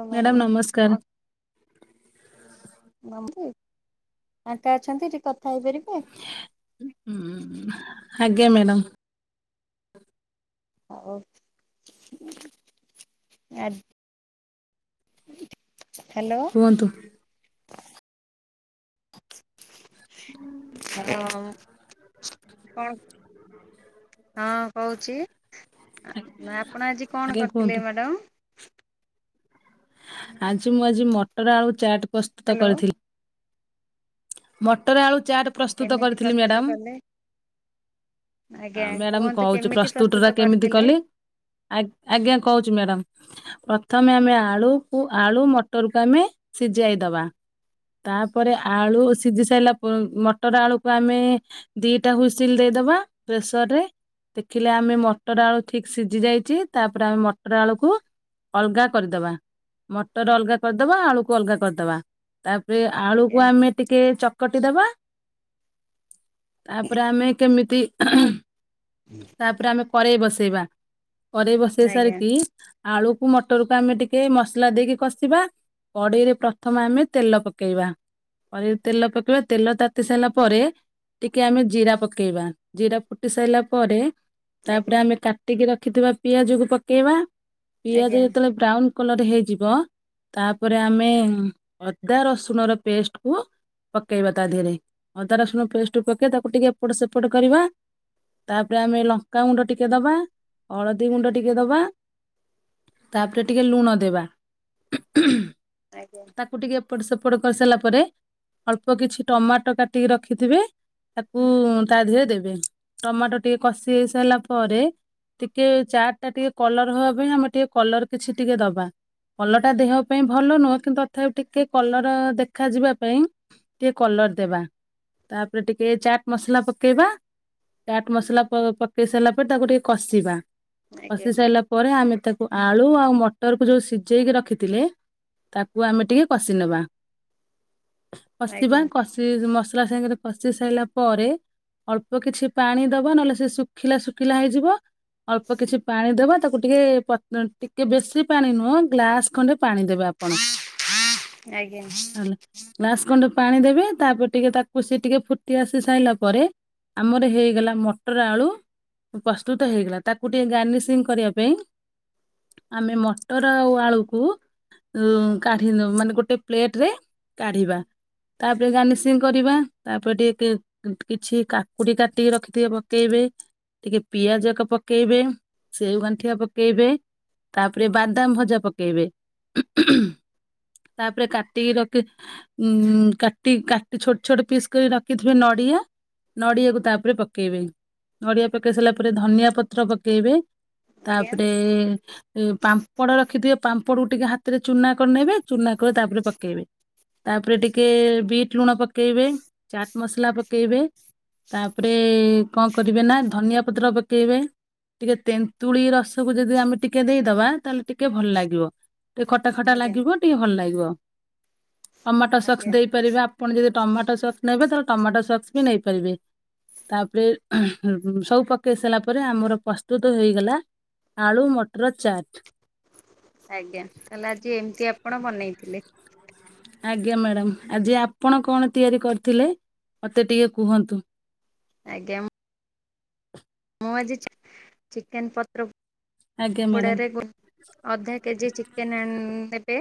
ହଉ ମ୍ୟାଡ଼ାମ କଣ ନମସ୍କାର। ମମ୍ପି ଫାଙ୍କା ଅଛନ୍ତି ଟିକେ କଥା ହେଇପାରିବେ? ଉଁ, ଆଜ୍ଞା ମ୍ୟାଡ଼ମ୍। ହଉ ଆଜି। ହାଲୋ। କୁହନ୍ତୁ। ହାଲୋ। କଣ? ହଁ କହୁଛି। ଆପଣ ଆଜି କଣ ଆଜ୍ଞା କରୁଥିଲେ କୁହନ୍ତୁ ମାଡାମ୍? ଆଜି ମୁଁ ଆଜି ମଟର ଆଳୁ ଚାଟ୍ କରିି ହାଲୋ। ମଟର ଆଳୁ ଚାଟ୍ ପ୍ରସ୍ତୁତ କେମିତି କରିଥିଲି ପ୍ରସ୍ତୁତ ମ୍ୟାଡ଼ାାମ୍। କଲେ ଆଜ୍ଞା ମ୍ୟାଡମ୍ କୁହନ୍ତୁ କହୁଛି କେମିତି ପ୍ରସ୍ତୁତ ଟା କେମିତି କରିଥିଲେ କଲି। ଆ-ଆଜ୍ଞା କହୁଛିୁ ମ୍ୟାଡମ୍। ପ୍ରଥମେ ଆମେ ଆଳୁକୁ, ଆଳୁ ମଟରକୁ ଆମେ ସିଝାଇ ଦବା। ତାପରେ ଆଳୁ ସିଝି ସାରିଲା ପ- ମଟର ଆଳୁକୁ ଆମେ, ଦିଟା ହୁସିଲ ଦେଇଦବା ପ୍ରେସର ରେ ଦେଖିଲେ ଆମେ ମଟର ଆଳୁ ଠିକ୍ ସିଝି ଯାଇଛି। ତାପରେ ଆମେ ମଟର ଆଳୁକୁ ଅଲଗା କରିଦବା। ମଟର ଅଲଗା କରିଦବା, ଆଳୁକୁ ଅଲଗା କରିଦବା। ତାପରେ ଆଳୁକୁ ଆଜ୍ଞା ଆମେ ଟିକେ ଚକଟି ଦବା। ତାପରେ ଆମେ କେମିତି ତାପରେ ଆମେ କରେଇ ବସେଇବା। କରେଇ ବସେଇ ଆଜ୍ଞା ସାରିକି ଆଳୁକୁ ମଟରକୁୁ ଆମେ ଟିକେ ମସଲା ଦେଇକି କଷିବା କଡେଇରେ ପ୍ରଥମେ ଆମେ ତେଲ ପକେଇବା ତେଲ ପକେଇବା। ତେଲ ତାତି ସାରିଲା ପରେ ଟିକେ ଆମେ ଜିରା ପକେଇବା, ଜିରା ଫୁଟି ସାରିଲା ପରେ ତାପରେ ଆଜ୍ଞା ଆମେ କାଟିକି ରଖିଥିବା ପିଆଜକୁ ପକେଇବା, ଆଜ୍ଞା ପିଆଜ ଯେତେବେଳେ ବ୍ରାଉନ୍ କଲର୍ ହେଇଯିବ, ତାପରେ ଆମେ ଅଦା ରସୁଣର ପେଷ୍ଟକୁ ପକେଇବା ତା ଦେହରେ। ଅଦା ରସୁଣ ପେଷ୍ଟ ପକେଇବା ତାକୁ ଟିକେ ଏପଟ ସେପଟ କରିବା ତାପରେ ଆମେ ଲଙ୍କାଗୁଣ୍ଡ ଟିକେ ଦବା, ହଳଦୀ ଗୁଣ୍ଡ ଟିକେ ଦବା ତାପରେ ଟିକେ ଲୁଣ ଦେବା ଆଜ୍ଞା। ତାକୁ ଟିକିଏ ଏପଟ ସେପଟ କରିସାରିଲା ପରେ ଅଳ୍ପ କିଛି ଟମାଟୋ କାଟିକି ରଖିଥିବେ। ତାକୁ ତା ଦେହରେ ଦେବେ। ଟମାଟୋ ଟିକେ କଷି ହେଇ ସାରିଲା ପରେ ଟିକେ ଚାାର୍ଟ ଟା ଟିକେ କଲର ହବା ପାଇଁ, ଆମେ ଟିକେ କଲର କିଛି ଟିକେ ଦବା କଲରଟା ଦେହ ପାଇଁ ଭଲ ନୁହଁ। କିନ୍ତୁ ତଥାପି ଟିକେ କଲର ଦେଖାଯିବା ପାଇଁ ଟିକେ କଲର ଦେବା। ତାପରେ ଟିକେ ଚାଟ୍ ମସଲା ପକେଇବା ଚାଟ୍ ମସଲା ପକେଇ ସାରିଲା ପରେ ତାକୁ ଟିକେ କଷିବା। ଆଜ୍ଞା କଷି ସାରିଲା ପରେ ପରେ ଆମେ ତାକୁ ଆଳୁ ଆଉ ମଟରକୁ ଯେଉଁ ସିଝେଇକି ରଖିଥିଲେ ତାକୁ ଆମେ ଟିକେ କଷି ନେବା। କଷିବା ଆଜ୍ଞା କଷି- ମସଲା ସାଙ୍ଗରେ କଷି ସାରିଲା ପରେ ଅଳ୍ପ କିଛି ପାଣି ଦବା। ନହେଲେ ସେ ଶୁଖିଲା ଶୁଖିଲା ହେଇଯିବ। ଅଳ୍ପ କିଛି ପାଣି ଦବା ତାକୁ ଟିକେ ପତ୍- ଟିକେ ବେଶୀ ପାଣି ନୁହଁ, ଗ୍ଲାସ ଖଣ୍ଡେ ପାଣି ଦେବେ ଆପଣ। ଆଜ୍ଞା। ହେଲା ଗ୍ଲାସ ଖଣ୍ଡେ ପାଣି ଦେବେ। ତାପରେ ଟିକେ ତାକୁ ସେ ଟିକେ ଫୁଟି ଆସି ସାରିଲା ପରେ ଆମର ହେଇଗଲା ମଟର ଆଳୁ ପ୍ରସ୍ତୁତ ହେଇଗଲା। ତାକୁ ଟିକେ ଗାର୍ନିସିଂ କରିବା ପାଇଁ ଆମେ ମଟର ଆଉ ଆଳୁକୁ, ଏ କାଢି ନ-ମାନେ ଗୋଟେ ପ୍ଲେଟ ରେ କାଢିବା। ତାପରେ ଗାର୍ନିସିଂ କରିବା। ତାପରେ ଟିକେ କିଛି କାକୁଡି କାଟିକି ରଖି ଥିବେ ପକେଇବେ ଟିକେ ପିଆଜାକ ପକେଇବେ। ସେଉ ଗାଣ୍ଠିଆ ପକେଇବେ ତାପରେ ବାଦାମ ଭଜା ପକେଇବେ। ତାପରେ କାଟିକି ରଖ ଉ କାଟି କାଟି ଛୋଟ ଛୋଟ ପିସ୍ କରି ରଖିଥିବେ ନଡିଆ ନଡ଼ିଆକୁ ତାପରେ ପକେଇବେ, ନଡ଼ିଆ ପକେଇ ସାରିଲା ପରେ ଧନିଆ ପତ୍ର ପକେଇବେ। ତାପରେ ପାମ୍ପଡ ରଖିଥିବେ ପାମ୍ପଡ କୁ ଟିକେ ହାତରେ ଚୁନା କରିନେବେ। ଚୁନା କରି ତାପରେ ପକେଇବେ। ତାପରେ ଟିକେ ବିଟ୍ ଲୁଣ ପକେଇବେ, ଚାଟ୍ ମସଲା ପକେଇବେ। ତାପରେ କଣ କରିବେ ନା ଧନିଆ ପତ୍ର ପକେଇବେ। ଟିକେ ତେନ୍ତୁଳି ରସକୁ ଯଦି ଆମେ ଟିକେ ଦେଇଦବା ତାହେଲେ ଟିକେ ଭଲ ଲାଗିବ। ଟିକେ ଖଟା ଆଜ୍ଞା ଖଟା ଆଜ୍ଞା ଲାଗିବ ଟିକେ ଭଲ ଲାଗିବ। ଟମାଟୋ ସକ୍ସ ଆଜ୍ଞା ଦେଇପାରିବେ, ଆପଣ ଯଦି ଟମାଟୋ ସକ୍ସ ନେବେ ତାହେଲେ ଟମାଟୋ ସକ୍ସ ବି ନେଇପାରିବେ। ତାପରେ ସବୁ ପକେଇ ସାରିଲା ପରେ ଆମର ପ୍ରସ୍ତୁତ ହେଇଗଲା ଆଳୁ ମଟର ଚାଟ୍। ଆଜ୍ଞା ତାହେଲେ ଆଜି ଏମିତି ଆପଣ ବନେଇଥିଲେ? ଆଜ୍ଞା ମ୍ୟାଡ଼ାାମ ଆଜି ଆପଣ କଣ ତିଆରି କରିଥିଲେ ମତେ ଟିକେ କୁହନ୍ତୁ। ଆଜ୍ଞା ମୁଁ ମୁଁ ଆଜି ଚି-ଚିକେନ ପତ୍ର ଆଜ୍ଞା ମ୍ୟାଡ଼ାମ୍ ପୋଡ଼ାରେ ଅଧା କେଜି ଚିକେନ ଆଣି ନେବେ।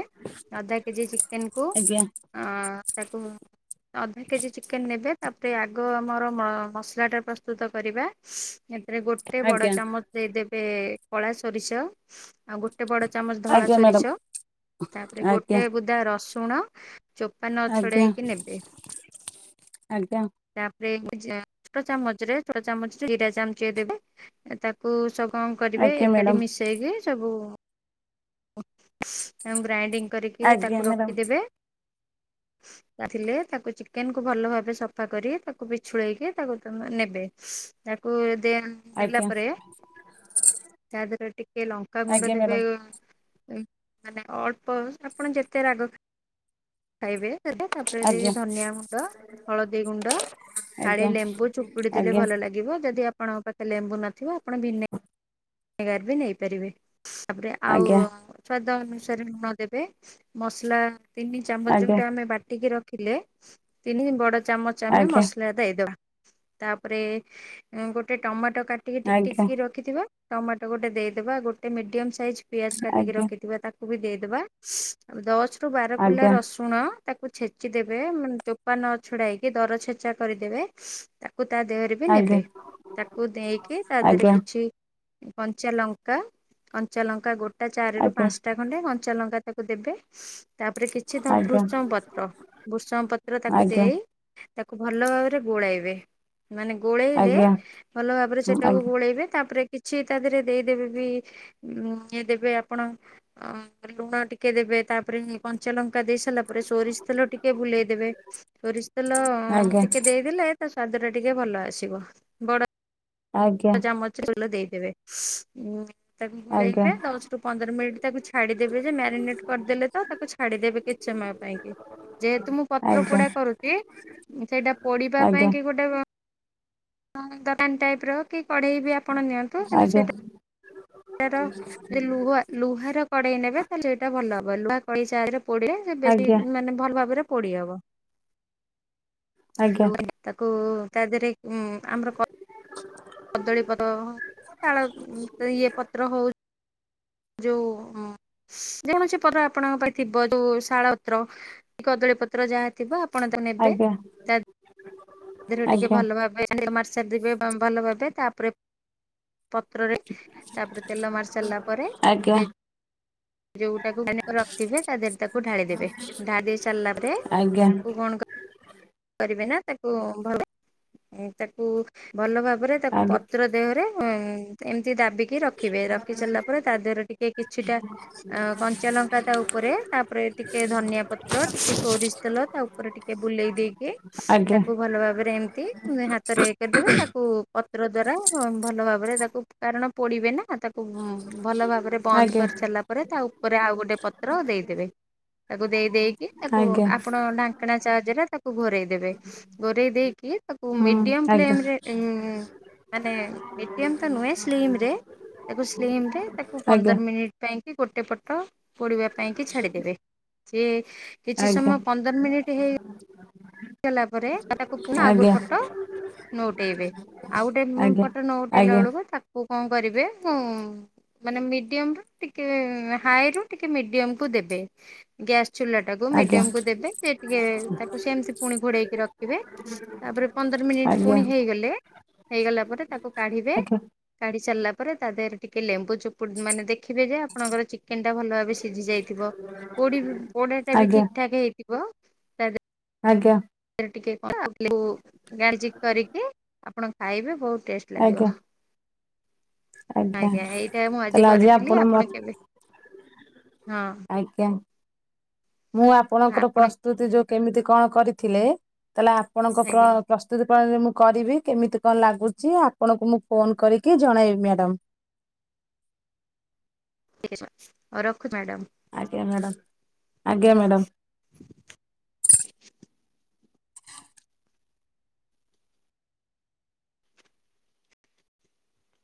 ଅଧା କେଜି ଚିକେନକୁ ଆଜ୍ଞା ଅ ତାକୁ ଅଧା କେଜି ଚିକେନ ନେବେ, ତାପରେ ଆଗ ଆମର ମ-ମସଲାଟା ପ୍ରସ୍ତୁତ କରିବା। ଏଥିରେ ଗୋଟେ ବଡ ଆଜ୍ଞା ଚାମଚ ଦେଇଦେବେ କଳା ସୋରିଷ, ଆଉ ଗୋଟ ଗୋଟେ ବଡ ଚାମଚ ଧଳା ଆଜ୍ଞା ମ୍ୟାଡ଼ାମ୍ ସୋରିଷ, ତାପରେ ଆଜ୍ଞା ଗୋଟେ ବୁଦା ରସୁଣ ଚୋପା ଆଜ୍ଞା ନଛଡାଇକି ନେବେ। ଆଜ୍ଞା ତାପରେ ଛୋଟ ଚାମଚ ରେ ଛୋଟ ଚାମଚରେ ଯିରା ଚାମଚିଏ ଦେବେ। ତାକୁ ସବୁ କଣ କରିବେ ଆଜ୍ଞା ଏକାଠି ମ୍ୟାଡ଼ାମ୍ ମିଶେଇକି ସବୁ ଆଉ ଗ୍ରାଇଣ୍ଡିଙ୍ଗ କରିକି ଆଜ୍ଞା ତାକୁ ମ୍ୟାଡ଼ାମ୍ ରଖିଦେବେ। ଥିଲେ ତାକୁ ଚିକେନ କୁ ଭଲ ଭାବେ ସଫା କରି ତାକୁ ବିଛୁଳେଇକି ତାକୁ ନେବେ। ତାକୁ ଦେନ ନେଲା ଆଜ୍ଞା ପରେ ତା ଦେହରେ ଟିକେ ଲଙ୍କାାଗୁଣ୍ଡ ଆଜ୍ଞା ଦେବେ ମ୍ୟାଡ଼ାମ୍ ମାନେ ଅଳ୍ପ ଆପଣ ଯେତେ ରାଗ ଖାଇବେ ତାପରେ ଆଜ୍ଞା ଦେବେ ଧନିଆ ଗୁଣ୍ଡ, ହଳଦୀ ଗୁଣ୍ଡ। ଫାଳେ ଆଜ୍ଞା ଲେମ୍ବୁ ଚୁପୁଡ଼ି ଆଜ୍ଞା ଦେଲେ ଆଜ୍ଞା ଭଲ ଲାଗିବ, ଯଦି ଆପଣଙ୍କ ପାଖରେ ଲେମ୍ବୁ ନଥିବ ଆପଣ ଭିନେ ନେଗାର ବି ନେଇପାରିବେ, ତାପରେ ଆଉ ଆଜ୍ଞା ସ୍ୱାଦ ଅନୁସାରେ ଲୁଣ ଦେବେ, ମସଲା ତିନି ଚାମଚ ଯେଉଁଟା ଆମେ ବାଟିକି ରଖ ଥିଲେ ତିନି ବଡ ଚାମଚ ଆମେ ଆଜ୍ଞା ମସଲା ଦେଇଦବା, ତାପରେ ଉମ ଗୋଟେ ଟମାଟୋ କାଟିକି ଟିକ ଟିକ ଆଜ୍ଞା ଆଜ୍ଞା କି ରଖିଥିବା। ଟମାଟୋ ଗୋଟେ ଦେଇଦେବା ଗୋଟେ ମିଡ଼ିୟମ ସାଇଜ୍ ପିଆଜ କାଟିକି ଆଜ୍ଞା ରଖିଥିବା ତାକୁ ବି ଦେଇଦେବା। ଦଶ ରୁ ବାର କୁଲା ଆଜ୍ଞା ରସୁ ଶୁଣ ତାକୁ ଛେଚି ଦେବେ, ଚୋପା ନ ଛଡାଇକି ଦର ଛେଚା କରିଦେବେ। ତାକୁ ତା ଦେହରେ ବି ଆଜ୍ଞା ନେବେ, ତାକୁ ଦେଇକି ତା ଦେହରେ ଆଜ୍ଞା କିଛି କଞ୍ଚାଲଙ୍କା, କଞ୍ଚାଲଙ୍କା ଗୋଟା ଚାରି ରୁ ଆଜ୍ଞା ପାଞ୍ଚ ଟା ଖଣ୍ଡେ କଞ୍ଚା ଲଙ୍କା ତାକୁ ଦେବେ। ତାପରେ କିଛି ତ ଆଜ୍ଞା ଭୃଷଙ୍ଗ ପତ୍ର ଭୃଷଙ୍ଗ ପତ୍ର ତାକୁ ଦେଇ ତାକୁ ଭଲ ଭାବରେ ଗୋଳାଇବେ। ମାନେ ଗୋଳେଇଲେ, ଆଜ୍ଞା ଭଲ ଭାବରେ ସେଟାକୁ ଗୋଳେଇବେ ତାପରେ କିଛି ତା ଦେହରେ ଦେଇଦେବେ ବି ଇଏ ଦେବେ ଆପଣ ଅ ଲୁଣ ଟିକେ ଦେବେ, ତାପରେ କଞ୍ଚଲଙ୍କା ଦେଇଶ୍ ରିଲା ପରେ ସୋରିଷ ତେଲ ଟିକେ ବୁଲେଇଦେବେ, ସୋରିଷ ତେଲ ଆଜ୍ଞା ଆଜ୍ଞା ଟିକେ ଦେଇ ଲେ ତା ସ୍ଵାଦ ଟା ଟିକେ ଭଲ ଆସିବ, ବଡ ଆଜ୍ଞା ଚାମଚ ତେଲ ଦେଇଦେବେ, ଉଁ ତାକୁ ଆଜ୍ଞା ଗୋଳେଇବେ, ଦଶ ରୁ ପନ୍ଦର ମିନିଟ୍ ତାକୁ ଛାଡିଦେବେ ଯେ ମ୍ୟାରିନେଟ କରିଦେଲେ ତ ତାକୁ ଛାଡିଦେବେ କି ଆଛ ମା ପାଇଁ କି ଯେହେତୁ ମୁଁ ପତ୍ର ଆଜ୍ଞା ପୋଡା କରୁଛି ସେଇଟା ପଡିବା ଆଜ୍ଞା ପାଇଁ କି ଗୋଟେ ଦୋକାନ ଟାଇପ ର। କଢ଼େଇ ବି ଆପଣ ନିଅନ୍ତୁ କିନ୍ତୁ ଆଜ୍ଞା ସେଇଟା ର ଯେ ଲୁହା। ଲୁହାର ର କଡ଼େଇ ନେବେ ତାହେଲେ ସେଇଟା ଭଲ ହବ ଲୁହା କଡ଼େଇ ସାହାଯ୍ୟ ରେ ପୋଡିଲେ। ସେ ଆଜ୍ଞା ବେଶୀ ଆଜ୍ଞା ମାନେ ଭଲ ଭାବରେ ପୋଡି ହବ। ହାଲୋ ତାକୁ ତା ଦେହରେ ଉଁ। ଆମର କଦଳୀ ପତ୍ର ଶାଳ ଇଏ ପତ୍ର ହଉ। ଯୋଉ ଉମ ଯେ କୌଣସି ପତ୍ର ଆପଣଙ୍କ ପାଖରେ ଥିବ ଯୋଉ ଶାଳ ପତ୍ର କି କଦଳୀ ପ ତ୍ର ଯାହା ଥିବ ଆପଣ ତାକୁ ନେବେ। ଆଜ୍ଞା ତା ଧିଅରେ ଟିକେ ଆଜ୍ଞା ଆଜ୍ଞା ଭଲ ଭାବେ ଲ ମାରି ସାରି ଥିବେ ଭଲ ଭାବେ ତାପରେ। ପତ୍ରରେ ତାପରେ ତେଲ ମାରି ସାରିଲା ପରେ। ଆଜ୍ଞା। ସେ ଯୋଉଟାକୁ ଗ୍ରାଇନିଗ କରି ରଖିଥିବେ ତା ଦେହରେ ତାକୁ ଢାଳି ଦେବେ ଢାଳି ଦେଇ ସାରିଲା ପରେ ଆଜ୍ଞା ତାକୁ କଣ କ କୁ କରିବେ ନା ତାକୁ ଭଲ ତାକୁ ଭଲ ଭାବରେ ତାକୁ ଆଜ୍ଞା ଆଜ୍ଞା ପତ୍ର। ଦେହରେ ଉମ ଏମିତି ଦାବିକି ରଖିବେ ରଖି ସାରିଲା ପରେ ତା ଦେହରେ ଟିକେ କିଛିଟା। ଆଁ କଞ୍ଚା ଲଙ୍କା ତା ଉପରେ ତାପରେ ଟିକେ ଧନିଆ ପତ୍ର ଟିକେ ସୋରିଷ ତେଲ ତା ଉପ ଉପରେ ଟିକେ ବୁଲେଇ ଦେଇକି ତାକୁ। ଭଲ ଭାବରେ ଏମିତି ହାତରେ ଇଏ କରିଦେବେ ତାକୁ ପତ୍ର ଦ୍ୱାରା ଅ ଭଲ ଭାବରେ ତାକୁ। କାରଣ ପୋଡିବେ ନା। ତାକୁ ଭଲ ଭାବରେ ବନ୍ଦ କରି ସାରିଲା ପରେ ତା ଉପରେ ଆଉ ଗୋଟେ ପତ୍ର ଦେଇଦେବେ। ତାକୁ ଦେଇ ଦେଇକି ତାକୁ ଆପଣ ଢାଙ୍କଣା ସାହାଯ୍ୟ ରେ ତାକୁ ଘୋରେଇ ଦେବେ ଘୋରେଇ ଦେଇକି ତାକୁ ହୁଁ ମିଡିୟମ ଆଜ୍ଞା ଫ୍ଲେମରେ ଉମ। ମାନେ ମିଡିଅମ ତ ନୁହେଁ ସ୍ଲିମ ରେ ତାକୁ ସ୍ଲିମରେ ତାକୁ ପନ୍ଦର ମିନିଟ। ପାଇଁ କି ଗୋଟେ ପଟ ପୋଡିବା ପାଇଁ କି ଛାଡିଦେବେ ସିଏ। କିଛି ଆଜ୍ଞା ସମୟ ପନ୍ଦର ମିନିଟ୍ ହେଇ। [inaudible] ହେଲା ପରେ ତାକୁ ପୁଣି ଆଉ ଆଜ୍ଞା ଗୋଟେ ପଟ। ନୋଉଟେଇବେ ଆଉ ଆଜ୍ଞା ଗୋଟେ ପଟ ନୋଉଟେଇଲା ଆଜ୍ଞା ଆଜ୍ଞା ଆଜ୍ଞା ଆଜ୍ଞା ଆଜ୍ଞା ବେଳୁକୁ ତାକୁ କଣ କରିବେ ଉଁ। ମାନେ ମିଡିୟମ ରୁ ଟିକେ ହାଏ ରୁ ଟିକେ ମିଡିୟମକୁୁ ଦେବେ ଗ୍ୟାସ ଚୁଲା। ତାକୁ ମିଡିୟମକୁ ଦେବେ ସେ ଟିକେ ତାକୁ ସେମତି ପୁଣି ଘୋଡେଇକି ରଖିବେ। ତାପରେ ପନ୍ଦର ମିନିଟ ପୁଣି ହେଇଗଲେ ହେଇଗଲା ପରେ ତାକୁ କାଢିବେ। କାଢି ସାରିଲା ପରେ ତା ଦେହରେ ଟିକେ ଲେମ୍ବୁ ଚୁପ ପୁଡି ମାନେ ଦେଖିବେ ଯେ ଆପଣଙ୍କର ଚିକେନ ଟା ଭଲ ଭାବେ ସିଝି ଯାଇଥିବ। ପୋଡି ପୋଡା ଟା ବି ଠିକ ଠାକ ହେଇଥିବ ତା। ଆଜ୍ଞା। ତା ରେ ଟିକେ ଲଙ୍କା ଆଉ ଲେମ୍ବୁ ଗାଳ୍ପିକ କରିକୀ ଆପଣ ଖାଇବେ ବହୁତ ଆଜ୍ଞା ଆଜ୍ଞା ଆଜ୍ଞା ଟେଷ୍ଟ। ଲାଗିବ। ଆଜ୍ଞା ତାହେଲେ ଆଜ୍ଞା ଏଇଟା ମୁଁ ଆଜି କରିଥିଲି ଆପଣ କେବେ ହଁ। ଆଜ୍ଞା ମୁଁ ଆପଣଙ୍କର ଆପଣ ପ୍ରସ୍ତୁତି ଯୋଉ କେମିତି କଣ କରିଥିଲେ। ତାହେଲେ ଆପଣଙ୍କ ପ୍ରଣ ଆଜ୍ଞା ପ୍ରସ୍। ପ୍ରସ୍ତୁତ ପଣାଳି ରେ ମୁଁ କରିବି କେମିତି କଣ ଲାଗୁଛି ଆପଣଙ୍କୁ ମୁଁ ଫୋନ କରିକି ଜଣାଇବି ମ୍ୟାଡ଼ାମ। ଠିକ ଅଛି ମା ଆଉ ରଖୁଛି ମ୍ୟାଡ଼ାମ। ଆଜ୍ଞା ମ୍ୟାଡ଼ାମ୍ ଆଜ୍ଞା ମ୍ୟାଡ଼ାମ୍।